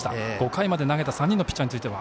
５回まで投げた３人のピッチャーについては。